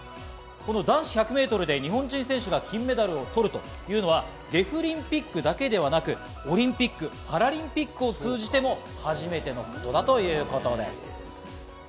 男子１００メートルで日本人選手が金メダルを取るというのはデフリンピックだけではなく、オリンピック・パラリンピックを通じても初めてのことだということです。